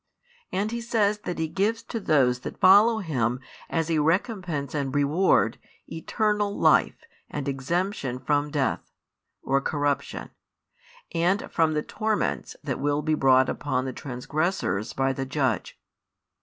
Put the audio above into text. And He says that He gives to those that follow Him as a recompense and reward, eternal life and exemption from death, or corruption, and from the torments that will be brought upon the transgressors by the Judge.